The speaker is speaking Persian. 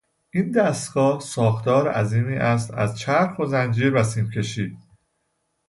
این دستگاه ساختار عظیمی است از چرخ و زنجیر و سیم کشی